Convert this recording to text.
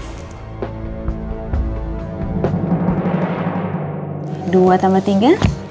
dua tambah tiga